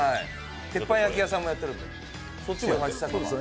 鉄板焼き屋さんもやってるんです。